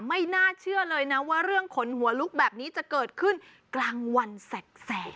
ไม่น่าเชื่อเลยนะว่าเรื่องขนหัวลุกแบบนี้จะเกิดขึ้นกลางวันแสก